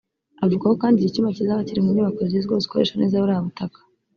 Avuga ko kandi iki cyumba kizaba kiri mu nyubako zigezweho zikoresha neza buriya butaka